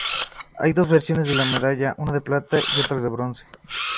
Hay dos versiones de la medalla una de plata y otra de bronce.